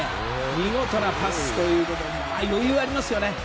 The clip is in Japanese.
見事なパスということで余裕がありますよね。